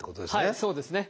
はいそうですね。